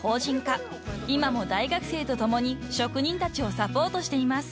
［今も大学生とともに職人たちをサポートしています］